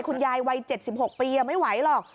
คุณยายวัย๗๖ปีไม่ไหวหรอก